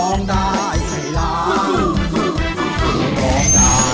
ก็ร้องได้ให้มัน